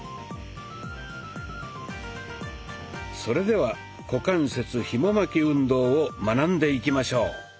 それでは「股関節ひも巻き運動」を学んでいきましょう。